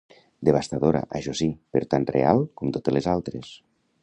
Devastadora, això sí, però tan real com totes les altres.